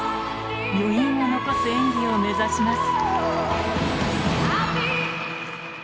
余韻を残す演技を目指します